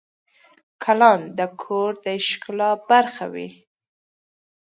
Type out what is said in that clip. ګلان د کور د ښکلا برخه وي.